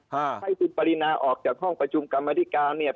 ให้คุณปรินาออกจากห้องประชุมกรรมธิการเนี่ย